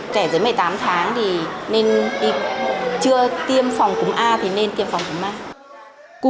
trẻ dưới một mươi tám tháng thì nên chưa tiêm phòng cúm a thì nên tiêm phòng cúm